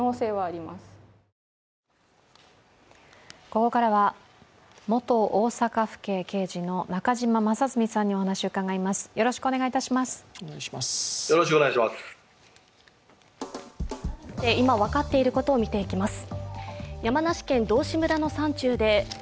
ここからは、元大阪府警刑事の中島正純さんにお話を伺います。